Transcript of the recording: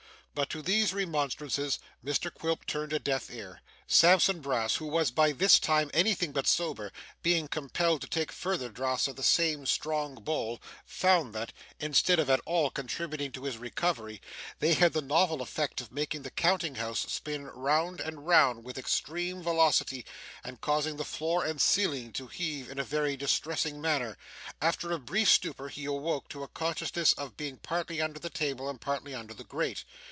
But to these remonstrances, Mr Quilp turned a deaf ear. Sampson Brass, who was, by this time, anything but sober, being compelled to take further draughts of the same strong bowl, found that, instead of at all contributing to his recovery, they had the novel effect of making the counting house spin round and round with extreme velocity, and causing the floor and ceiling to heave in a very distressing manner. After a brief stupor, he awoke to a consciousness of being partly under the table and partly under the grate.